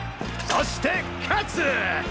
そして勝つ！